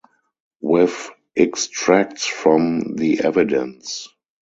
With Extracts from the Evidence.